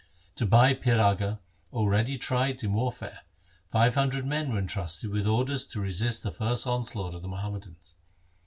To Bhai Piraga, already tried in warfare, five hundred men were entrusted with orders to resist the first onslaught of the Muhammadans.